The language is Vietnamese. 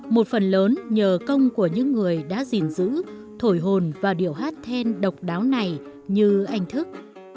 một phần lớn nhờ công của những người đã gìn giữ thổi hồn vào điệu hát then độc đáo này như anh thức